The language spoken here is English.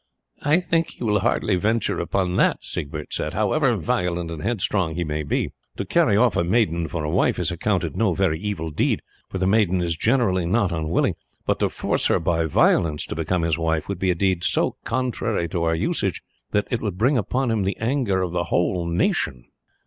"I think he will hardly venture upon that," Siegbert said, "however violent and headstrong he may be. To carry off a maiden for a wife is accounted no very evil deed, for the maiden is generally not unwilling; but to force her by violence to become his wife would be a deed so contrary to our usages that it would bring upon him the anger of the whole nation.